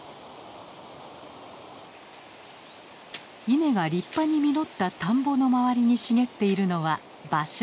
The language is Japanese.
稲が立派に実った田んぼの周りに茂っているのは芭蕉。